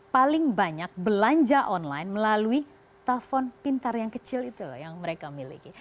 paling banyak belanja online melalui telepon pintar yang kecil itu loh yang mereka miliki